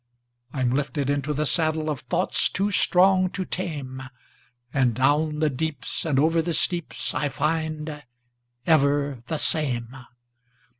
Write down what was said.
I'm lifted into the saddleOf thoughts too strong to tameAnd down the deeps and over the steepsI find—ever the same.